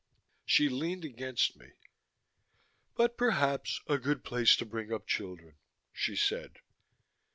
She leaned against me. "But perhaps a good place to bring up children," she said.